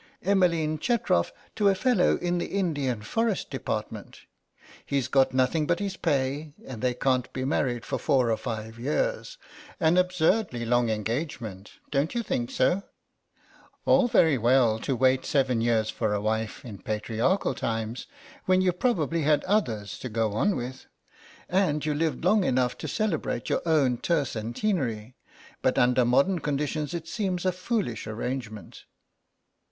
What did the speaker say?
"Emmeline Chetrof to a fellow in the Indian Forest Department. He's got nothing but his pay and they can't be married for four or five years; an absurdly long engagement, don't you think so? All very well to wait seven years for a wife in patriarchal times, when you probably had others to go on with, and you lived long enough to celebrate your own tercentenary, but under modern conditions it seems a foolish arrangement."